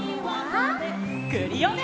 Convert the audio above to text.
クリオネ！